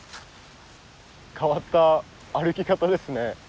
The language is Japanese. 変わった歩き方ですね。